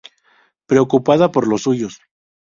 Preocupada por los suyos.